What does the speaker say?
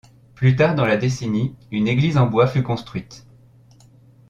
Plus tard dans la décennie, une église en bois fut construite.